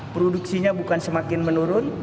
produksinya bukan semakin menurun